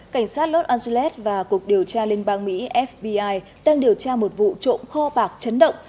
cảnh sát los angeles và cục điều tra liên bang mỹ fbi đang điều tra một vụ trộm kho bạc chấn động